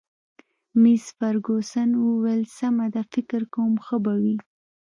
مس فرګوسن وویل: سمه ده، فکر کوم ښه به وي.